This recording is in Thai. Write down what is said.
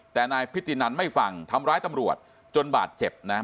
แต่นายพิธีนันไม่ฟังทำร้ายตำรวจจนบาดเจ็บนะ